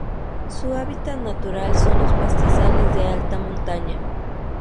Su hábitat natural son los pastizales de alta montaña.